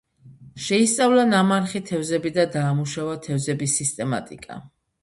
შეისწავლა ნამარხი თევზები და დაამუშავა თევზების სისტემატიკა.